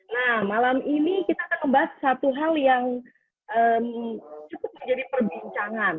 nah malam ini kita akan membahas satu hal yang cukup menjadi perbincangan